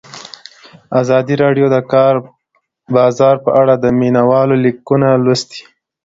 ازادي راډیو د د کار بازار په اړه د مینه والو لیکونه لوستي.